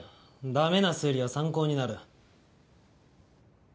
ダメな推理は参考になる。